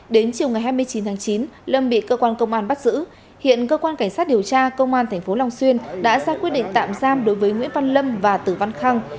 đến chiều ngày hai mươi chín tháng chín lâm bị cơ quan công an bắt giữ hiện cơ quan cảnh sát điều tra công an tp long xuyên đã ra quyết định tạm giam đối với nguyễn văn lâm và tử văn khang